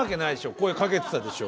声かけてたでしょ。